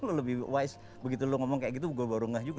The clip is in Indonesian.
lo lebih wise begitu lo ngomong kayak gitu gue baru ngeh juga